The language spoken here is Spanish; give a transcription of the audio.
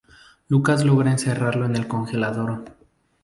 Lucas logra encerrarlo en el congelador.